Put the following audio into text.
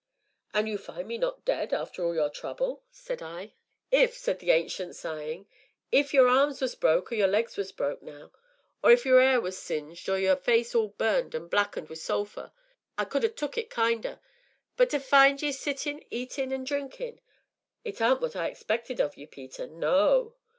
"And you find me not dead, after all your trouble," said I. "If," said the Ancient, sighing, "if your arms was broke, or your legs was broke, now or if your 'air was singed, or your face all burned an' blackened wi' sulphur, I could ha' took it kinder; but to find ye a sittin' eatin' an' drinkin' it aren't what I expected of ye, Peter, no."